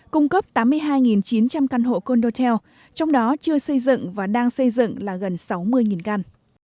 cung cấp tám mươi hai chín trăm linh căn hộ cô đô tèo trong đó chưa xây dựng và đang xây dựng là gần sáu mươi căn